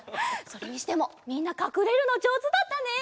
それにしてもみんなかくれるのじょうずだったね。